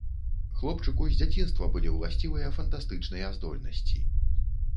Хлопчыку з дзяцінства былі ўласцівыя фантастычныя здольнасці.